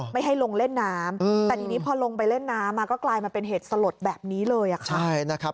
ไม่ให้ลงเล่นน้ำแต่ทีนี้พอลงไปเล่นน้ำก็กลายมาเป็นเหตุสลดแบบนี้เลยค่ะ